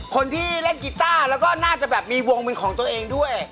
คนที่เล่นกีต้าแล้วก็น่าจะแบบมีวงเป็นของตัวเองด้วย